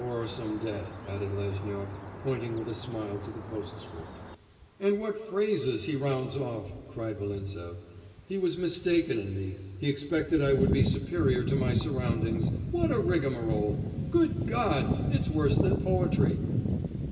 or some debt,' added Lezhnyov, pointing with a smile to the postscript. 'And what phrases he rounds off!' cried Volintsev. 'He was mistaken in me. He expected I would be superior to my surroundings. What a rigmarole! Good God! it's worse than poetry!